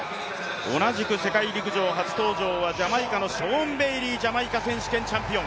同じく世界陸上初登場はジャマイカのショーン・ベイリー、ジャマイカ選手権チャンピオン。